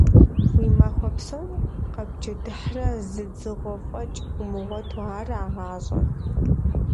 Уэ махуэ псом къэбджэдыхьрэ зы дзыгъуэ фӀэкӀ умыгъуэту, ара гъащӀэр?